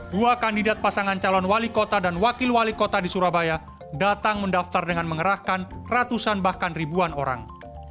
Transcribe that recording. dua kandidat pasangan calon wali kota dan wakil wali kota di surabaya datang mendaftar dengan mengerahkan ratusan bahkan ribuan orang